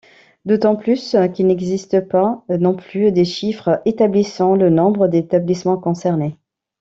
D'autant plus qu'il n'existe pas non plus de chiffres établissant le nombre d'établissements concernés.